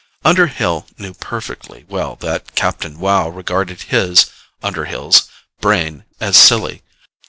Underhill knew perfectly well that Captain Wow regarded his, Underhill's, brains as silly.